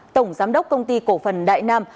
tổng giám đốc công ty cổ phần đại nam